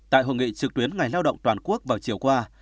tại hội nghị trực tuyến ngày lao động toàn quốc vào chiều qua